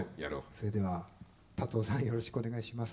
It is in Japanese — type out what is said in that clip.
それでは立夫さんよろしくお願いします。